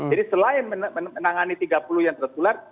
jadi selain menangani tiga puluh yang tertular